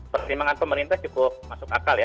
pertimbangan pemerintah cukup masuk akal ya